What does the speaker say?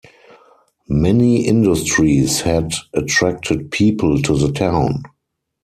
Many industries had attracted people to the town.